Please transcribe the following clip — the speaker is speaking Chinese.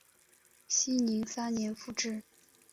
熙宁三年复置。